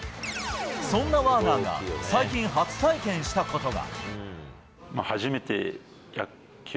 そんなワーナーが最近初体験したことが。